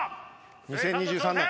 ２０２３年！